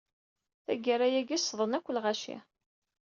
Taggara-agi, ṣṣḍen akk lɣaci.